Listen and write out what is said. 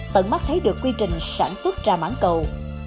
tận mắt thấy được quy trình sản xuất trà mảng cầu